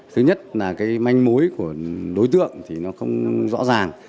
thứ nhất là manh mối của đối tượng không rõ ràng